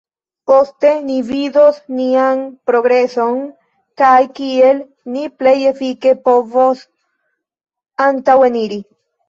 Poste ni vidos nian progreson kaj kiel ni plej efike povos antaŭeniri.